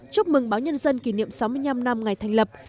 chúc mừng báo nhân dân kỷ niệm sáu mươi năm năm ngày thành lập